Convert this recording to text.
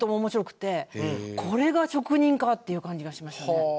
これが職人かっていう感じがしましたね。